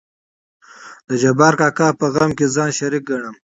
د جبار کاکا په غم کې ځان شريک ګنم.